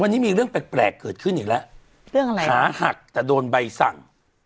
วันนี้มีเรื่องแปลกแปลกเกิดขึ้นอีกแล้วเรื่องอะไรขาหักแต่โดนใบสั่ง